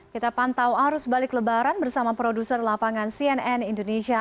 kita pantau arus balik lebaran bersama produser lapangan cnn indonesia